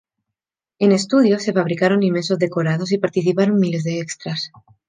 En estudio, se fabricaron inmensos decorados y participaron miles de extras.